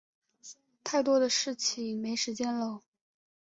太多的事情没时间搂